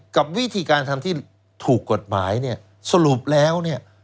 กับวิธีการทำที่ถูกกฎหมายสรุปแล้ว